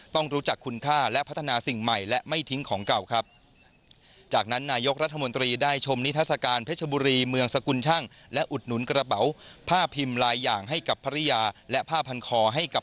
ต้องรู้จักคุณค่าและพัฒนาสิ่งใหม่และไม่ทิ้งของเก่าครับ